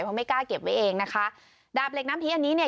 เพราะไม่กล้าเก็บไว้เองนะคะดาบเหล็กน้ำทิ้งอันนี้เนี่ย